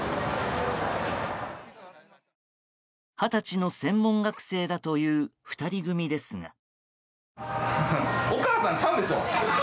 二十歳の専門学生だという２人組ですが。